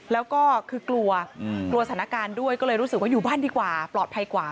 แล้วก็คือกลัวกลัวสถานการณ์ด้วยก็เลยรู้สึกว่าอยู่บ้านดีกว่าปลอดภัยกว่า